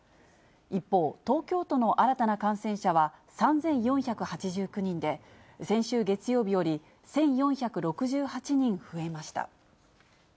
一方、東京都の新たな感染者は３４８９人で、先週月曜日より１４６８人増えました。